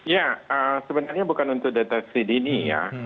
ya sebenarnya bukan untuk deteksi dini ya